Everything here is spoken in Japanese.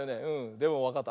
でもわかった？